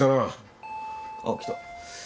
・あっ来た。